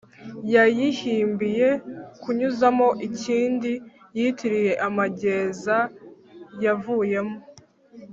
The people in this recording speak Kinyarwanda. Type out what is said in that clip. yahimbiye kunyuzamo ikindi yitiriye amageza yavuyemo